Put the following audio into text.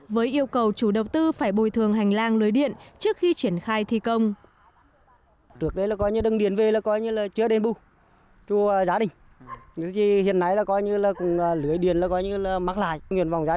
với yêu cầu chủ đầu tư phải bồi thường hành lang lưới điện trước khi triển khai thi công